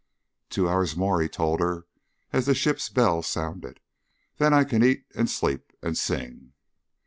"Two hours more," he told her, as the ship's bell sounded. "Then I can eat and sleep and sing."